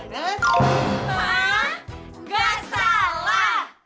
hah gak salah